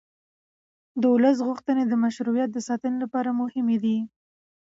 د ولس غوښتنې د مشروعیت د ساتنې لپاره مهمې دي